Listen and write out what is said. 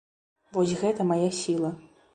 Вось гэта мая сіла.